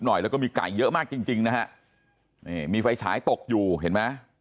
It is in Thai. หน่อยแล้วก็มีไก่เยอะมากจริงจริงนะฮะนี่มีไฟฉายตกอยู่เห็นไหม